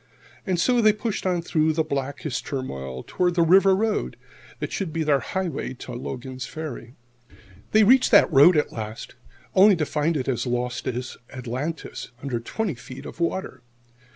And so they pushed on through blackest turmoil toward the river road that should be their highway to Logan's Ferry. They reached that road at last, only to find it as lost as Atlantis,[70 2] under twenty feet of water!